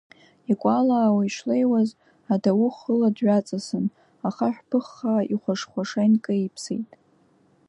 Икәалаауа ишлеиуаз, адау хыла дҩаҵасын, ахаҳә ԥыххаа ихәаш-хәаша инкеиԥсеит!